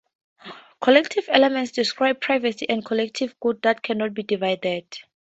Collective elements describe privacy as collective good that cannot be divided.